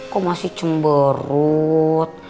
kok masih cemberut